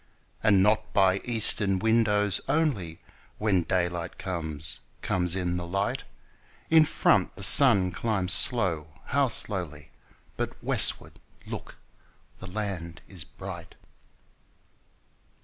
And not by eastern windows only, When daylight comes, comes in the light; In front the sun climbs slow, how slowly! 15 But westward, look, the land is bright!